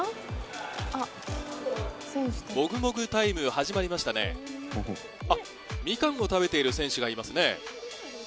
もぐもぐタイム始まりましたねあっみかんを食べている選手がいますね